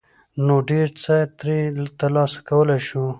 ، نو ډېر څه ترې ترلاسه کولى شو.